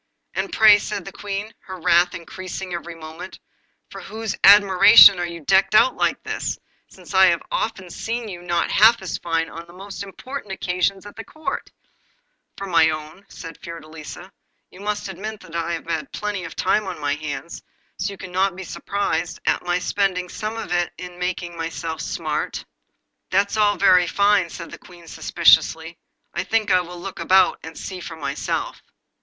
'And pray,' said the Queen, her wrath increasing every moment, 'for whose admiration are you decked out like this, since I have often seen you not half as fine on the most important occasions at Court?' 'For my own,' answered Fiordelisa. 'You must admit that I have had plenty of time on my hands, so you cannot be surprised at my spending some of it in making myself smart.' 'That's all very fine,' said the Queen suspiciously. 'I think I will look about, and see for myself.